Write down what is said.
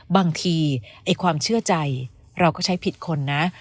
บางทีไอ้ความเชื่อใจเราก็ใช้ผิดคนนะ